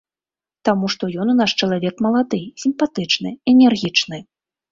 Таму што ён у нас чалавек малады, сімпатычны, энергічны.